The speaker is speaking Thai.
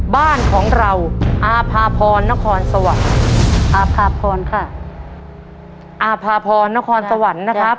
บ้านของเราอาภาพรนครสวรรค์อาภาพรค่ะอาภาพรนครสวรรค์นะครับ